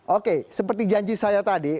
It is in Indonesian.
oke seperti janji saya tadi